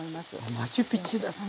マチュピチュですか。